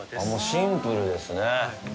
シンプルですね。